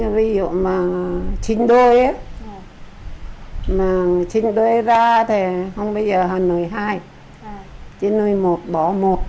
ví dụ mà chinh đôi á mà chinh đôi ra thì không bây giờ là nuôi hai chinh đôi một bỏ một